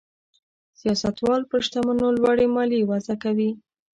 سیاستوال پر شتمنو لوړې مالیې وضع کوي.